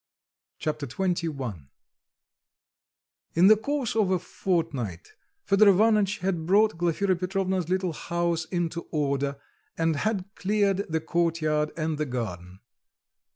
Chapter XXI In the course of a fortnight, Fedor Ivanitch had brought Glafira Petrovna's little house into order and had cleared the court yard and the garden.